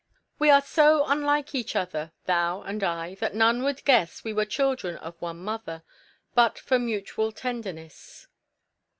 "We are so unlike each other, Thou and I, that none would guess We were children of one mother, But for mutual tenderness."